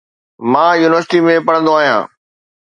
مان يونيورسٽي ۾ پڙھندو آھيان